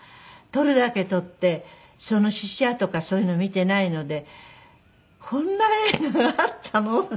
撮るだけ撮ってその試写とかそういうのを見ていないのでこんな映画があったの？っていう感じ。